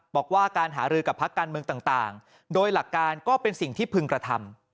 บอกว่าการหารือกับพักการเมืองต่างโดยหลักการก็เป็นสิ่งที่พึงกระทำ